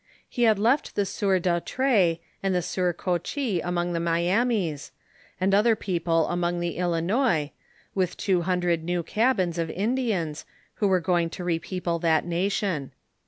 He had left the sieur Dautray, and tlie sieur Cochois among the Miamis, and other people among the Ilinois, with two hundred new cabins of Indians, who were going to repeople that nation.